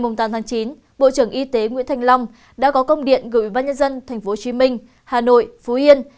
ngày tám tháng chín bộ trưởng y tế nguyễn thanh long đã có công điện gửi văn nhân dân thành phố hồ chí minh hà nội phú yên